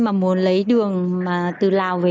mà muốn lấy đường từ lào về